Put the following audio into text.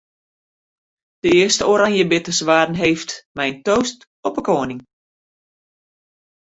De earste oranjebitters waarden heefd mei in toast op 'e koaning.